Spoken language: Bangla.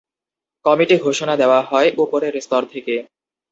কমিটি ঘোষণা দেওয়া হয় ওপরের স্তর থেকে।